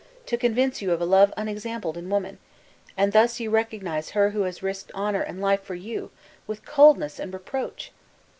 to convince you of a love unexampled in woman! and thus you recognize her who has risked honor and life for you with coldness and reproach!"